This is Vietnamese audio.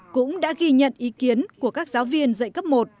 cũng đã ghi nhận ý kiến của các giáo viên dạy cấp một